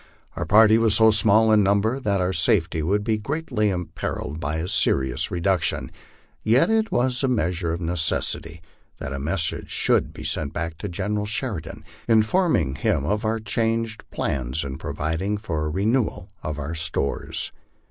Our party was so small in number that our safety would be greatly imperilled by any serious reduction, yet it was a measure of necessity that a message should be sent back to General Sheridan, informing him of our changed plans and providing for a renewal of our stores.